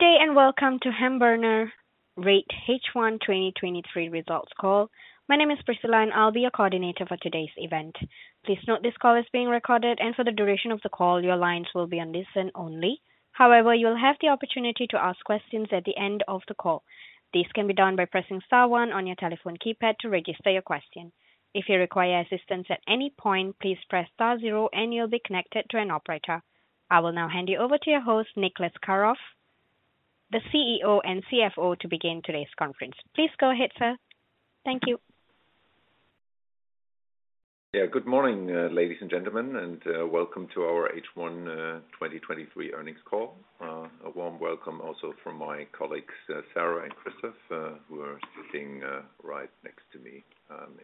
Good day, welcome to Hamborner REIT H1 2023 results call. My name is Priscilla, and I'll be your coordinator for today's event. Please note this call is being recorded, and for the duration of the call, your lines will be on listen only. However, you'll have the opportunity to ask questions at the end of the call. This can be done by pressing star one on your telephone keypad to register your question. If you require assistance at any point, please press star zero, and you'll be connected to an operator. I will now hand you over to your host, Niclas Karoff, the CEO and CFO, to begin today's conference. Please go ahead, sir. Thank you. Yeah, good morning, ladies and gentlemen, and welcome to our H1 2023 earnings call. A warm welcome also from my colleagues, Sarah and Christoph, who are sitting right next to me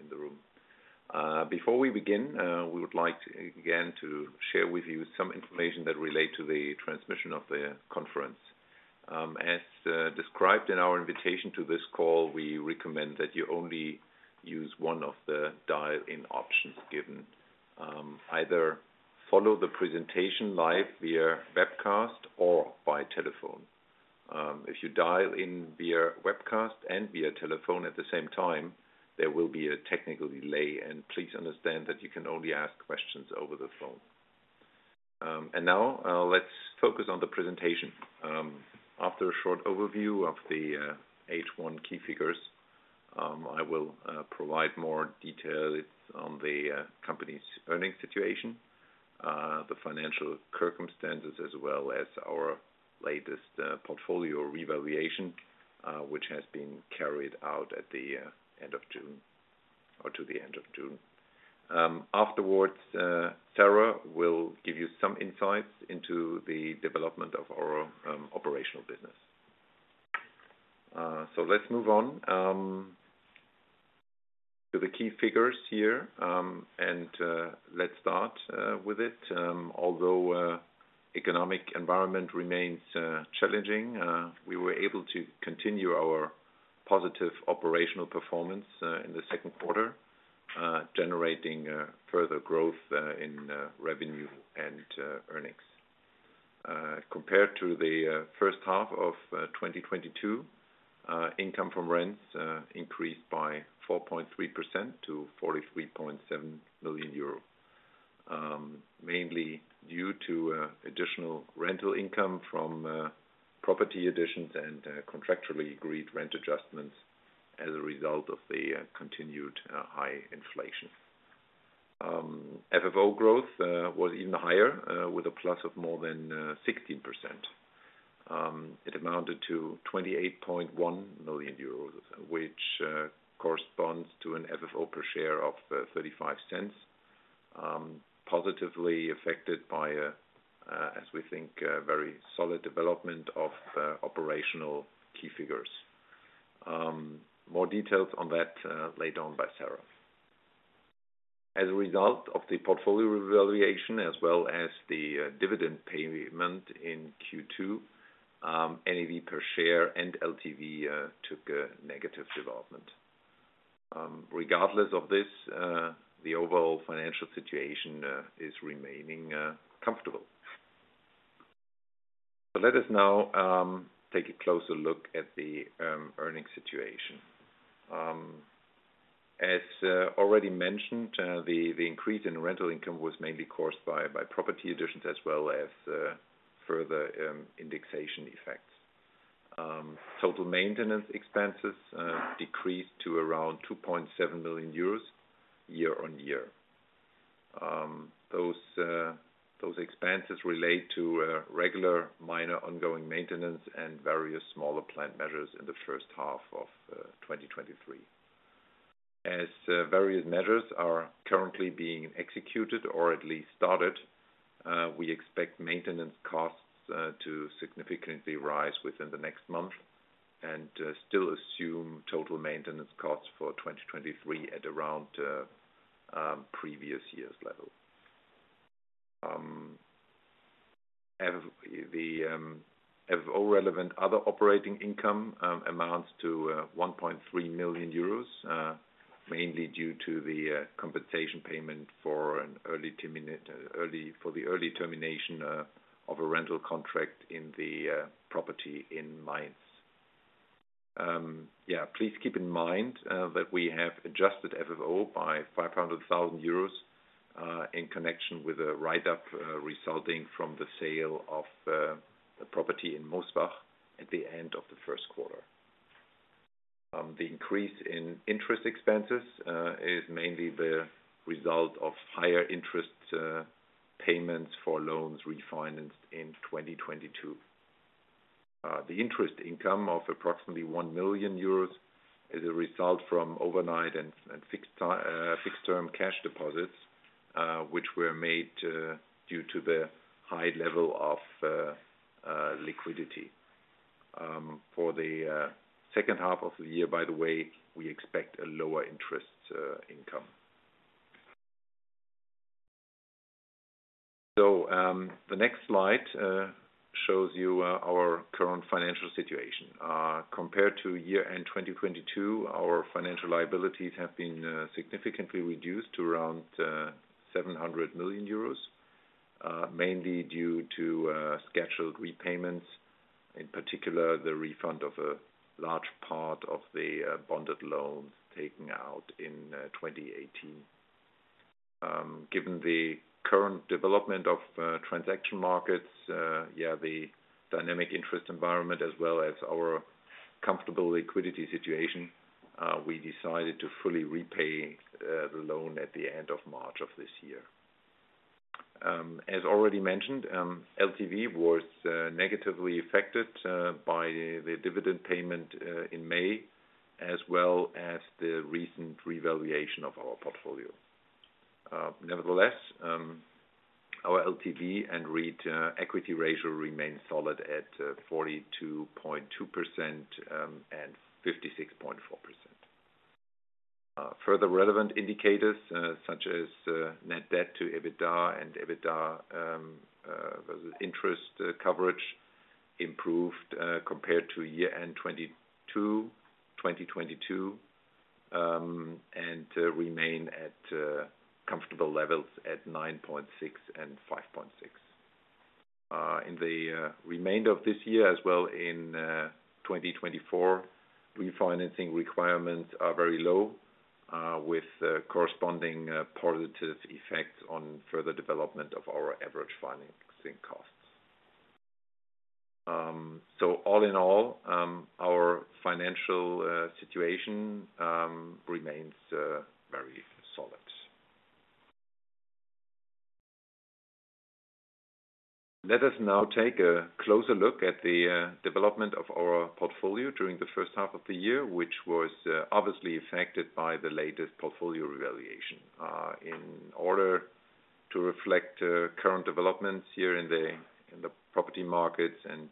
in the room. Before we begin, we would like, again, to share with you some information that relate to the transmission of the conference. As described in our invitation to this call, we recommend that you only use one of the dial-in options given. Either follow the presentation live via webcast or by telephone. If you dial in via webcast and via telephone at the same time, there will be a technical delay, and please understand that you can only ask questions over the phone. Now, let's focus on the presentation. After a short overview of the H1 key figures, I will provide more details on the company's earnings situation, the financial circumstances, as well as our latest portfolio revaluation, which has been carried out at the end of June or to the end of June. Afterwards, Sarah will give you some insights into the development of our operational business. Let's move on to the key figures here, and let's start with it. Although economic environment remains challenging, we were able to continue our positive operational performance in the Q2, generating further growth in revenue and earnings. Compared to the H1 of 2022, income from rents increased by 4.3% to 43.7 million euro. Mainly due to additional rental income from property additions and contractually agreed rent adjustments as a result of the continued high inflation. FFO growth was even higher, with a plus of more than 16%. It amounted to 28.1 million euros, which corresponds to an FFO per share of 0.35. Positively affected by a, as we think, a very solid development of operational key figures. More details on that later on by Sarah. As a result of the portfolio revaluation, as well as the dividend payment in Q2, NAV per share and LTV took a negative development. Regardless of this, the overall financial situation is remaining comfortable. Let us now take a closer look at the earning situation. As already mentioned, the increase in rental income was mainly caused by property additions as well as further indexation effects. Total maintenance expenses decreased to around EUR 2.7 million year-on-year. Those expenses relate to regular minor ongoing maintenance and various smaller planned measures in the H1 of 2023. As various measures are currently being executed or at least started, we expect maintenance costs to significantly rise within the next month and still assume total maintenance costs for 2023 at around previous year's level. The FFO relevant other operating income amounts to 1.3 million euros, mainly due to the compensation payment for an early termination of a rental contract in the property in Mainz. Yeah, please keep in mind that we have adjusted FFO by 500,000 euros in connection with a write-up resulting from the sale of the property in Mosbach at the end of the Q1. The increase in interest expenses is mainly the result of higher interest payments for loans refinanced in 2022. The interest income of approximately 1 million euros is a result from overnight and fixed-term cash deposits, which were made due to the high level of liquidity. For the H2 of the year, by the way, we expect a lower interest income. The next slide shows you our current financial situation. Compared to year-end 2022, our financial liabilities have been significantly reduced to around 700 million euros, mainly due to scheduled repayments.... In particular, the refund of a large part of the bonded loan taken out in 2018. Given the current development of transaction markets, the dynamic interest environment, as well as our comfortable liquidity situation, we decided to fully repay the loan at the end of March of this year. As already mentioned, LTV was negatively affected by the dividend payment in May, as well as the recent revaluation of our portfolio. Nevertheless, our LTV and REIT equity ratio remains solid at 42.2% and 56.4%. Further relevant indicators such as net debt to EBITDA and EBITDA interest coverage improved compared to year end 2022 and remain at comfortable levels at 9.6 and 5.6. In the remainder of this year, as well in 2024, refinancing requirements are very low with corresponding positive effects on further development of our average financing costs. All in all, our financial situation remains very solid. Let us now take a closer look at the development of our portfolio during the H1 of the year, which was obviously affected by the latest portfolio revaluation. In order to reflect current developments here in the property markets, and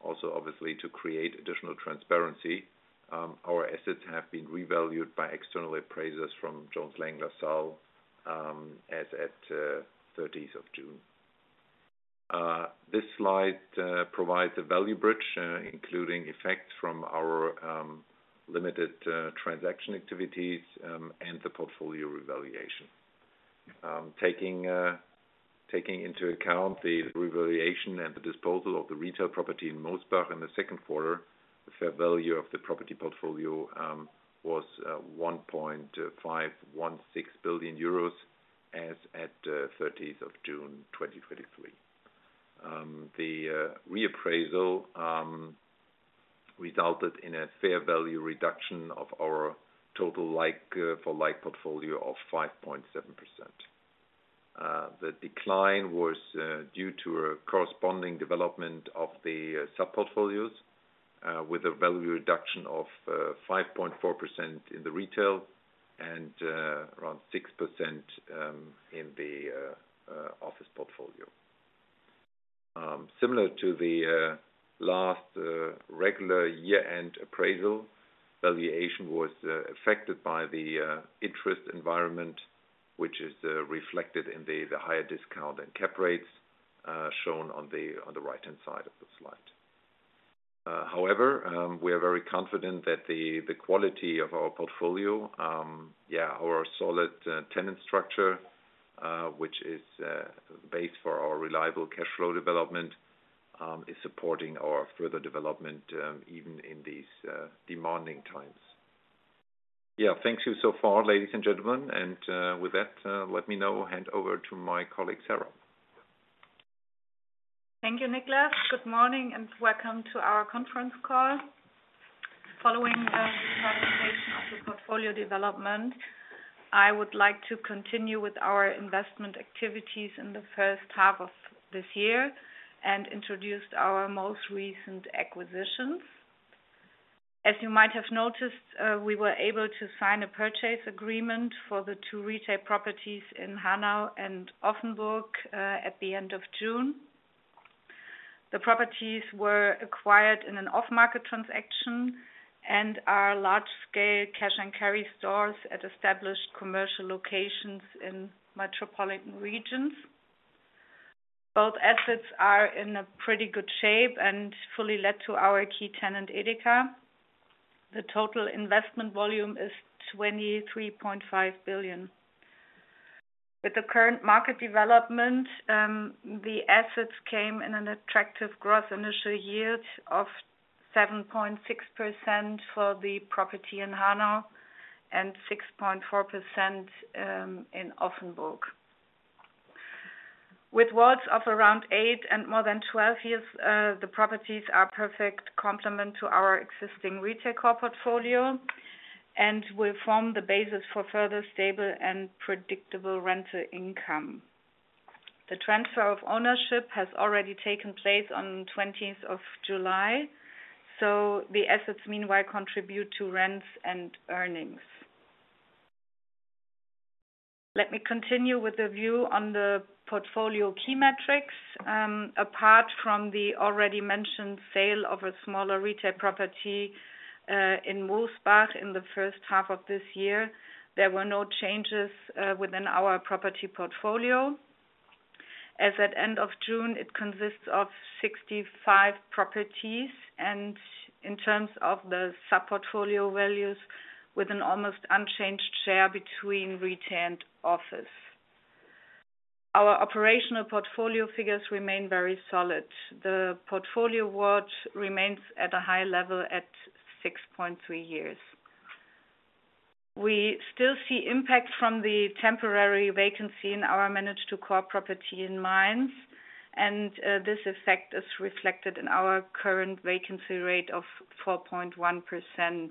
also obviously to create additional transparency, our assets have been revalued by external appraisers from Jones Lang LaSalle as at 30th of June. This slide provides a value bridge including effects from our limited transaction activities and the portfolio revaluation. Taking into account the revaluation and the disposal of the retail property in Mosbach in the Q2, the fair value of the property portfolio was 1.516 billion euros as at 30th of June, 2023. The reappraisal resulted in a fair value reduction of our total like-for-like portfolio of 5.7%. The decline was due to a corresponding development of the sub-portfolios, with a value reduction of 5.4% in the retail and around 6% in the office portfolio. Similar to the last regular year-end appraisal, valuation was affected by the interest environment, which is reflected in the higher discount and cap rates shown on the right-hand side of the slide. However, we are very confident that the quality of our portfolio, yeah, our solid tenant structure, which is based for our reliable cash flow development, is supporting our further development even in these demanding times. Thank you so far, ladies and gentlemen, and with that, let me now hand over to my colleague, Sarah. Thank you, Niclas. Good morning, and welcome to our conference call. Following the presentation of the portfolio development, I would like to continue with our investment activities in the H1 of this year and introduce our most recent acquisitions. As you might have noticed, we were able to sign a purchase agreement for the two retail properties in Hanau and Offenburg at the end of June. The properties were acquired in an off-market transaction and are large-scale Cash & Carry stores at established commercial locations in metropolitan regions. Both assets are in a pretty good shape and fully let to our key tenant, EDEKA. The total investment volume is 23.5 billion. With the current market development, the assets came in an attractive gross initial yield of 7.6% for the property in Hanau and 6.4% in Offenburg. With walls of around eight and more than 12 years, the properties are perfect complement to our existing retail core portfolio and will form the basis for further stable and predictable rental income. The transfer of ownership has already taken place on 20th of July. The assets meanwhile contribute to rents and earnings. Let me continue with a view on the portfolio key metrics. Apart from the already mentioned sale of a smaller retail property in Mosbach in the H1 of this year, there were no changes within our property portfolio. As at end of June, it consists of 65 properties, and in terms of the sub-portfolio values, with an almost unchanged share between retail and office. Our operational portfolio figures remain very solid. The portfolio watch remains at a high level at 6.3 years. We still see impact from the temporary vacancy in our manage to core property in Mainz. This effect is reflected in our current vacancy rate of 4.1%.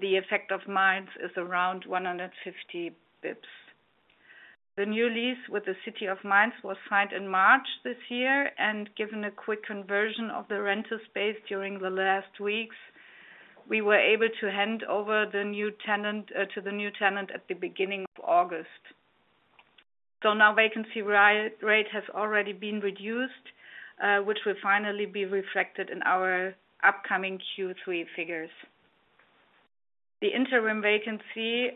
The effect of Mainz is around 150 bips. The new lease with the City of Mainz was signed in March this year. Given a quick conversion of the rental space during the last weeks, we were able to hand over the new tenant to the new tenant at the beginning of August. Now vacancy rate has already been reduced, which will finally be reflected in our upcoming Q3 figures. The interim vacancy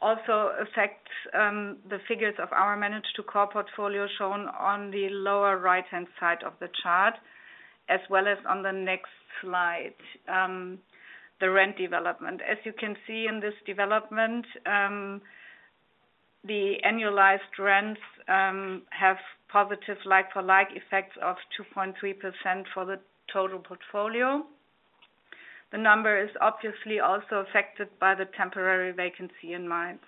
also affects the figures of our manage to core portfolio, shown on the lower right-hand side of the chart, as well as on the next slide. The rent development. As you can see in this development, the annualized rents have positive like-for-like effects of 2.3% for the total portfolio. The number is obviously also affected by the temporary vacancy in Mainz.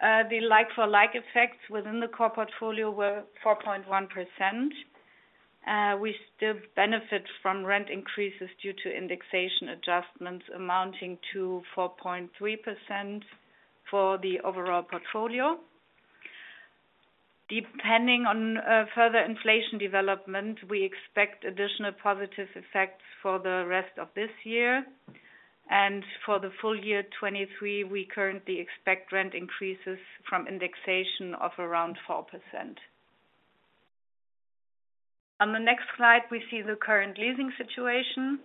The like-for-like effects within the core portfolio were 4.1%. We still benefit from rent increases due to indexation adjustments, amounting to 4.3% for the overall portfolio. Depending on further inflation development, we expect additional positive effects for the rest of this year. For the full year 2023, we currently expect rent increases from indexation of around 4%. On the next slide, we see the current leasing situation.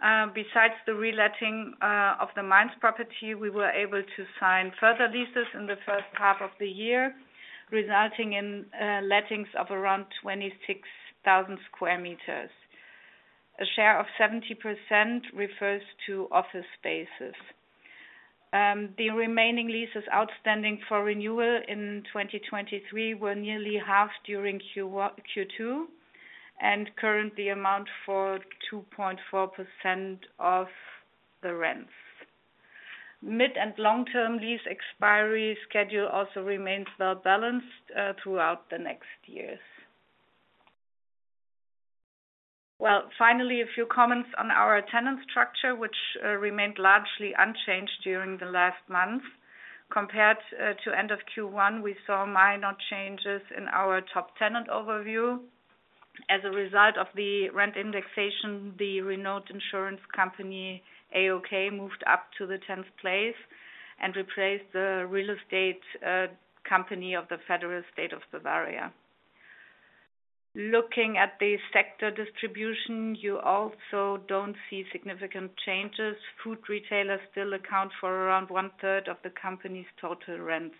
Besides the reletting of the Mainz property, we were able to sign further leases in the H1 of the year, resulting in lettings of around 26,000 square meters. A share of 70% refers to office spaces. The remaining leases outstanding for renewal in 2023 were nearly half during Q1, Q2, and currently amount for 2.4% of the rents. Mid- and long-term lease expiry schedule also remains well balanced throughout the next years. Finally, a few comments on our tenant structure, which remained largely unchanged during the last month. Compared to end of Q1, we saw minor changes in our top tenant overview. As a result of the rent indexation, the renowned insurance company, AOK, moved up to the 10th place and replaced the real estate company of the federal state of Bavaria. Looking at the sector distribution, you also don't see significant changes. Food retailers still account for around one third of the company's total rents.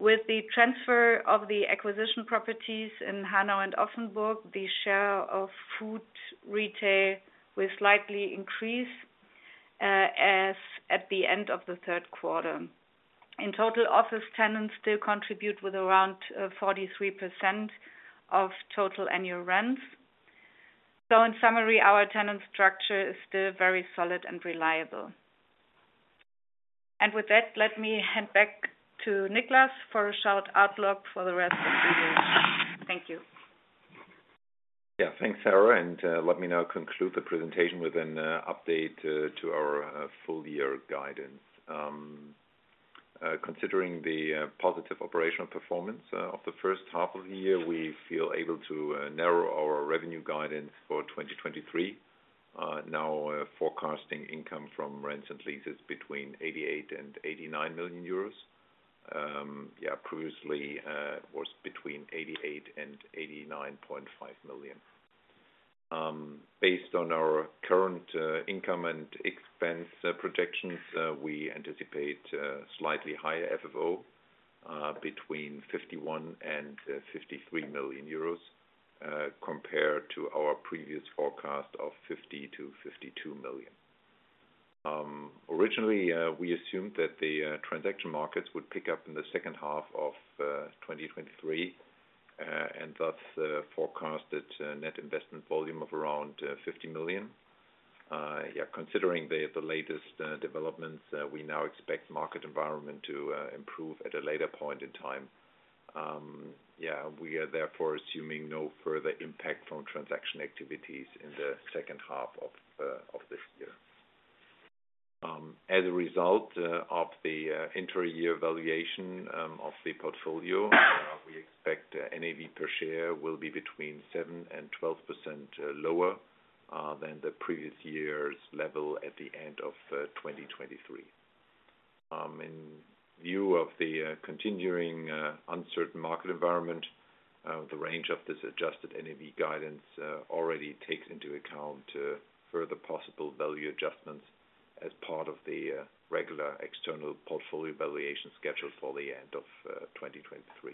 With the transfer of the acquisition properties in Hanau and Offenburg, the share of food retail will slightly increase as at the end of the Q3. In total, office tenants still contribute with around 43% of total annual rents. In summary, our tenant structure is still very solid and reliable. With that, let me hand back to Nicholas for a short outlook for the rest of the year. Thank you. Thanks, Sarah, and let me now conclude the presentation with an update to our full year guidance. Considering the positive operational performance of the H1 of the year, we feel able to narrow our revenue guidance for 2023. Now, we're forecasting income from rents and leases between 88 million and 89 million euros. Previously, it was between 88 million and 89.5 million. Based on our current income and expense projections, we anticipate slightly higher FFO between 51 million and 53 million euros, compared to our previous forecast of 50 million to 52 million. Originally, we assumed that the transaction markets would pick up in the H2 of 2023, and thus, forecasted net investment volume of around 50 million. Yeah, considering the latest developments, we now expect market environment to improve at a later point in time. Yeah, we are therefore assuming no further impact from transaction activities in the H2 of this year. As a result of the inter-year valuation of the portfolio, we expect NAV per share will be between 7% and 12% lower than the previous year's level at the end of 2023. In view of the continuing uncertain market environment, the range of this adjusted NAV guidance already takes into account further possible value adjustments as part of the regular external portfolio valuation scheduled for the end of 2023.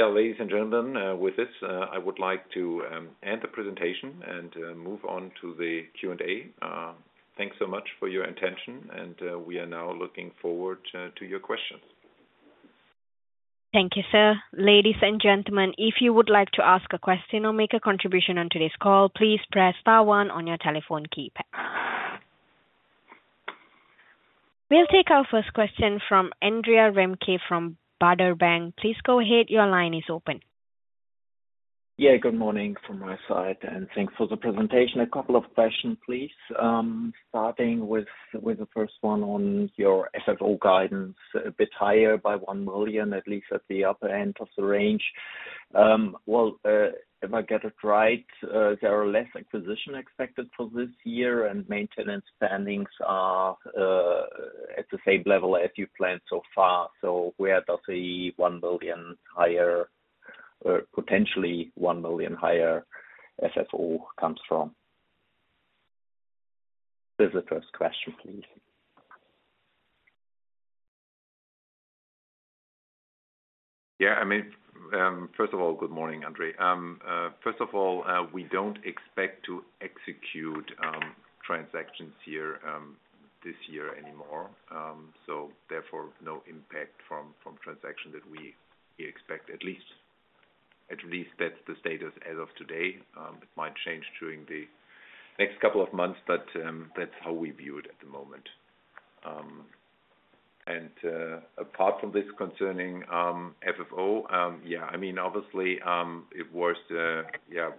Ladies and gentlemen, with this, I would like to end the presentation and move on to the Q&A. Thanks so much for your attention, and we are now looking forward to your questions. Thank you, sir. Ladies and gentlemen, if you would like to ask a question or make a contribution on today's call, please press star one on your telephone keypad. We'll take our first question from Andre Remke, from Baader Bank. Please go ahead. Your line is open. Yeah, good morning from my side, thanks for the presentation. A couple of questions, please. Starting with the first one on your FFO guidance, a bit higher by 1 million, at least at the upper end of the range. Well, if I get it right, there are less acquisition expected for this year, and maintenance spendings are at the same level as you planned so far. Where does the 1 billion higher, or potentially 1 million higher FFO comes from? This is the first question, please. Yeah, I mean, first of all, good morning, Andre. First of all, we don't expect to execute transactions here this year anymore. Therefore, no impact from, from transaction that we, we expect at least. At least that's the status as of today. It might change during the next couple of months, but that's how we view it at the moment. Apart from this concerning FFO, yeah, I mean, obviously, it was, yeah,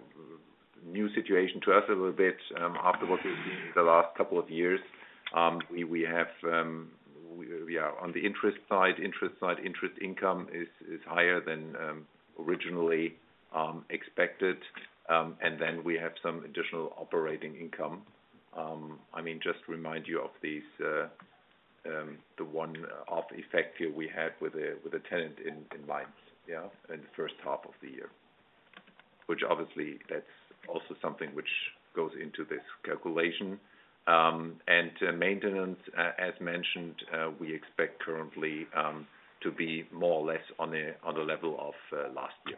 new situation to us a little bit after what we've seen in the last couple of years. We, we have, we are on the interest side. Interest side, interest income is, is higher than originally expected. Then we have some additional operating income. I mean, just to remind you of these, the one-off effect here we had with a, with a tenant in Mainz, yeah, in the H1 of the year, which obviously that's also something which goes into this calculation. Maintenance, as mentioned, we expect currently, to be more or less on the level of last year.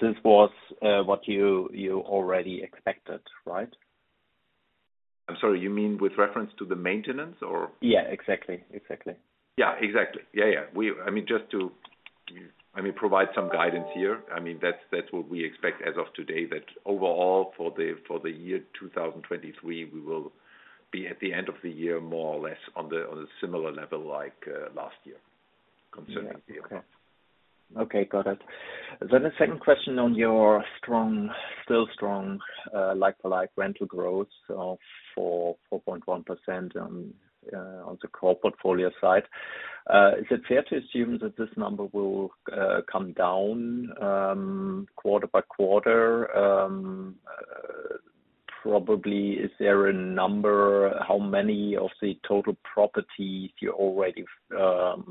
This was, what you, you already expected, right? I'm sorry, you mean with reference to the maintenance or? Yeah, exactly. Exactly. Yeah, exactly. Yeah, yeah. We I mean, just to, I mean, provide some guidance here, I mean, that's, that's what we expect as of today, that overall for the, for the year 2023, we will be at the end of the year, more or less on the, on a similar level, like last year concerning the year. Okay. Got it. The second question on your strong, still strong, like-for-like rental growth of 4.1% on the core portfolio side. Is it fair to assume that this number will come down quarter-by-quarter? Probably, is there a number, how many of the total properties you already have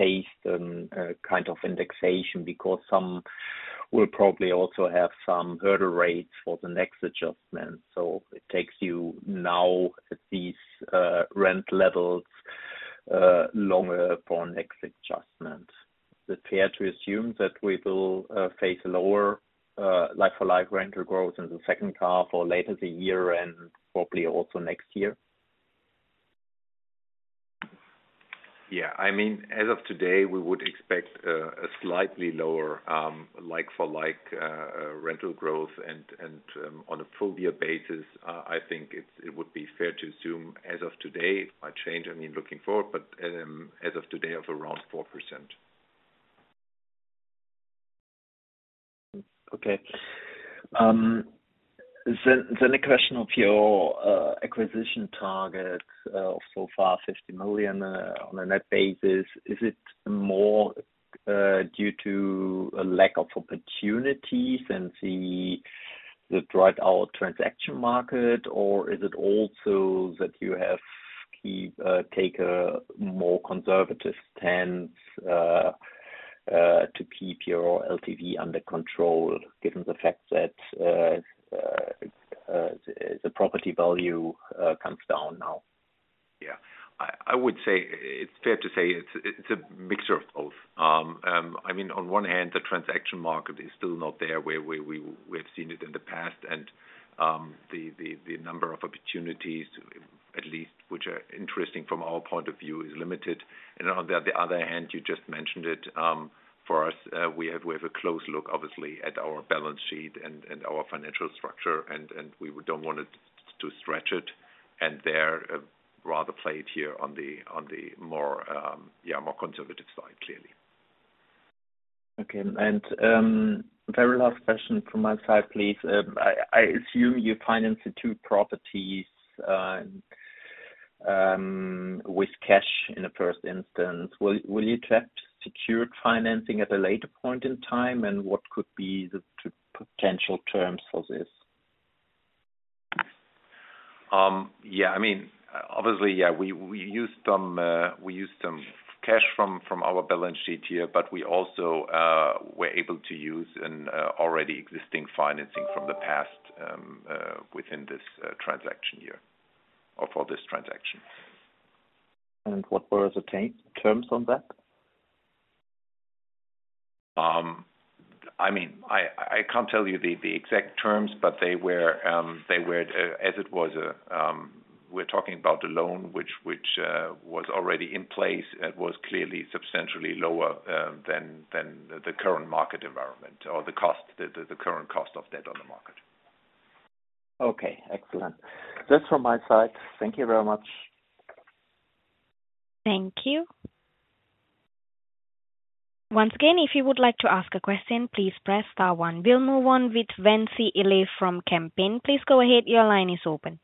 faced an kind of indexation? Because some will probably also have some hurdle rates for the next adjustment. It takes you now at these rent levels longer for next adjustment. Is it fair to assume that we will face lower like-for-like rental growth in the H2 or later the year and probably also next year? Yeah. I mean, as of today, we would expect a slightly lower like-for-like rental growth and, and, on a full year basis. I think it's, it would be fair to assume as of today, it might change, I mean, looking forward, but as of today, of around 4%. Okay. Then the question of your acquisition target, so far 50 million, on a net basis. Is it more due to a lack of opportunities and the, the dried out transaction market? Or is it also that you have keep, take a more conservative stance, to keep your LTV under control, given the fact that the property value comes down now? Yeah. I, I would say, it's fair to say it's, it's a mixture of both. I mean, on one hand, the transaction market is still not there, where, where we, we've seen it in the past and the number of opportunities at least, which are interesting from our point of view, is limited. On the other hand, you just mentioned it, for us, we have, we have a close look, obviously, at our balance sheet and our financial structure, and we don't want it to stretch it. There, rather play it here on the, on the more, yeah, more conservative side, clearly. Okay. Very last question from my side, please. I, I assume you financed the two properties with cash in the first instance. Will, will you attempt secured financing at a later point in time, and what could be the potential terms for this? Yeah, I mean, obviously, yeah, we, we used some, we used some cash from, from our balance sheet here, but we also, were able to use an already existing financing from the past, within this transaction here or for this transaction. What were the terms on that? I mean, I, I can't tell you the, the exact terms, but they were, they were, as it was, we're talking about the loan, which, which, was already in place. It was clearly substantially lower than, than the, the current market environment or the cost, the current cost of debt on the market. Okay, excellent. That's from my side. Thank you very much. Thank you. Once again, if you would like to ask a question, please press star 1. We'll move on with Philipp Kaiser from Kempen & Co. Please go ahead. Your line is open.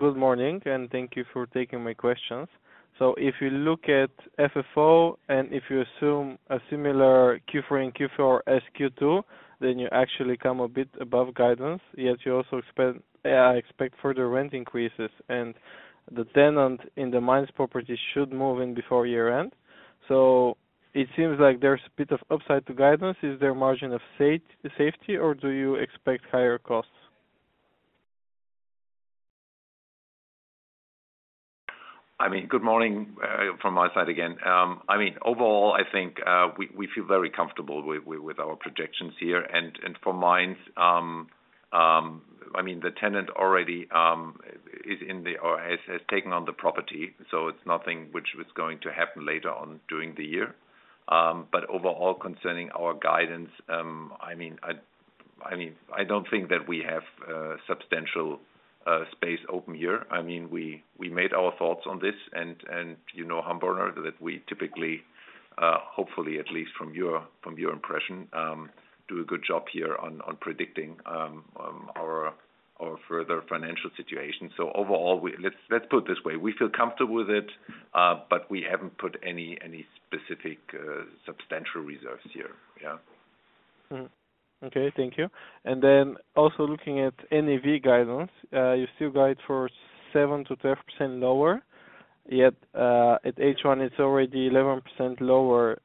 Good morning, thank you for taking my questions. If you look at FFO, if you assume a similar Q3 and Q4 as Q2, you actually come a bit above guidance, yet you also expect expect further rent increases, the tenant in the Mainz property should move in before year-end. It seems like there's a bit of upside to guidance. Is there a margin of safe- safety, or do you expect higher costs? I mean, good morning from my side again. I mean, overall, I think, we, we feel very comfortable with, with, with our projections here. For Mainz, I mean, the tenant already is in the or has, has taken on the property, so it's nothing which was going to happen later on during the year. But overall, concerning our guidance, I mean, I, I mean, I don't think that we have substantial space open here. I mean, we, we made our thoughts on this, and, you know, Hamborner, that we typically, hopefully, at least from your, from your impression, do a good job here on, on predicting our, our further financial situation. Overall, let's put it this way, we feel comfortable with it, but we haven't put any, any specific, substantial reserves here. Yeah. Mm. Okay, thank you. Also looking at NAV guidance, you still guide for 7%-12% lower, yet, at H1, it's already 11% lower,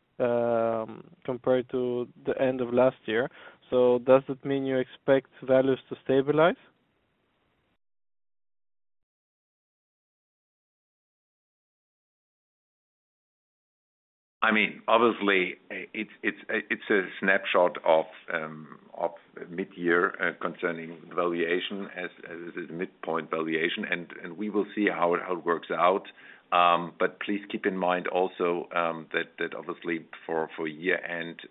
compared to the end of last year. Does it mean you expect values to stabilize? I mean, obviously, it, it's, it's a snapshot of midyear concerning valuation as, as is midpoint valuation, and, and we will see how it, how it works out. Please keep in mind also that obviously for year-end,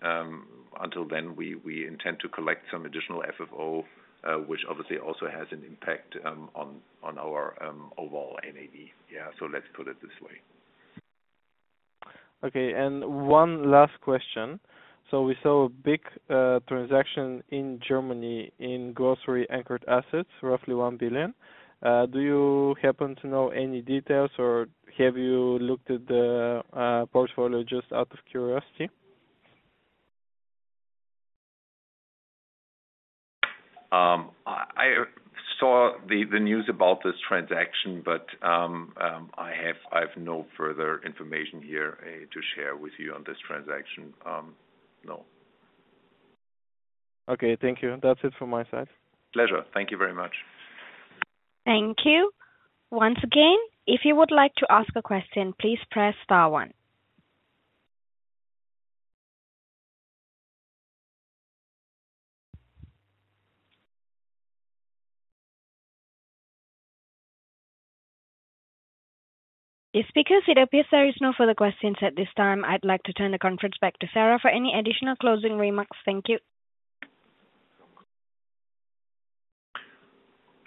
until then, we, we intend to collect some additional FFO, which obviously also has an impact on our overall NAV. Yeah, let's put it this way. Okay, one last question. We saw a big transaction in Germany in grocery anchored assets, roughly 1 billion. Do you happen to know any details, or have you looked at the portfolio just out of curiosity? I, I saw the, the news about this transaction, but, I have, I have no further information here, to share with you on this transaction. No. Okay, thank you. That's it from my side. Pleasure. Thank you very much. Thank you. Once again, if you would like to ask a question, please press star one. Speakers, it appears there is no further questions at this time. I'd like to turn the conference back to Sarah for any additional closing remarks. Thank you.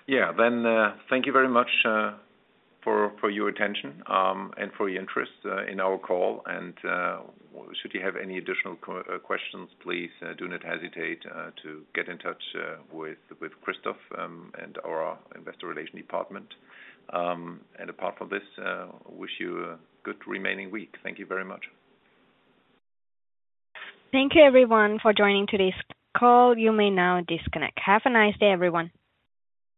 Yeah. Thank you very much for, for your attention, and for your interest in our call. Should you have any additional questions, please do not hesitate to get in touch with, with Christoph and our investor relations department. Apart from this, wish you a good remaining week. Thank you very much. Thank you everyone for joining today's call. You may now disconnect. Have a nice day, everyone!